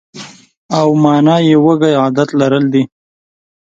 او مانا یې وږی عادت لرل دي.